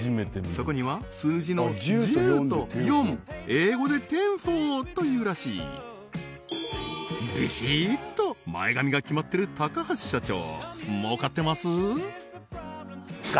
そこには数字の「１０」と「４」英語で「テンフォー」というらしいビシッと前髪が決まってる橋社長